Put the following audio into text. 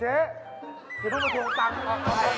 และมีความร้อนใจ